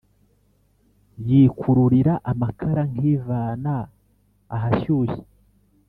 yikururira amakara nkivana ahashyushye